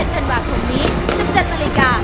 ๓๑ธันวาคมนี้๑๗ม๕๐นเป็นก่อนไป